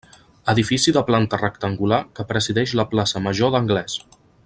Edifici de planta rectangular que presideix la Plaça Major d'Anglès.